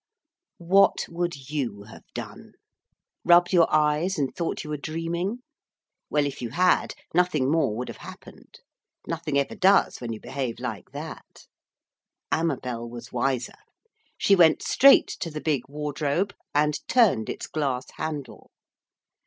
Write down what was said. _' What would you have done? Rubbed your eyes and thought you were dreaming? Well, if you had, nothing more would have happened. Nothing ever does when you behave like that. Amabel was wiser. She went straight to the Big Wardrobe and turned its glass handle.